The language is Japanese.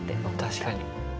確かに。